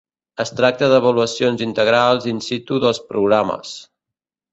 Es tracta d'avaluacions integrals in situ dels programes.